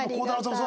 そう！